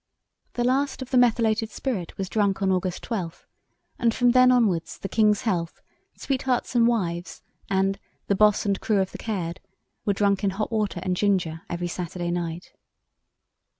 "The last of the methylated spirit was drunk on August 12, and from then onwards the King's health, 'sweethearts and wives,' and 'the Boss and crew of the Caird,' were drunk in hot water and ginger every Saturday night."